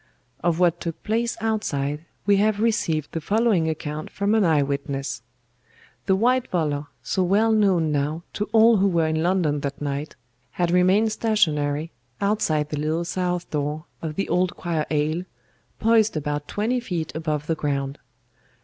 "Of what took place outside we have received the following account from an eye witness. The white volor, so well known now to all who were in London that night, had remained stationary outside the little south door of the Old Choir aisle, poised about twenty feet above the ground.